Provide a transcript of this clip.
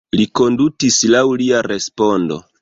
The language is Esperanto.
Li kondutis laŭ lia respondo.